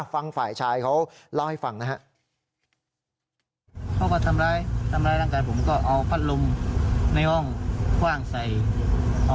ฟังฝ่ายชายเขาเล่าให้ฟังนะครับ